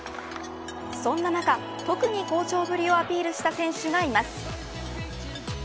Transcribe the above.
そんな中、特に好調ぶりをアピールした選手がいます。